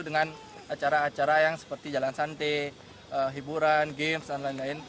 dengan acara acara yang seperti jalan santai hiburan games dan lain lain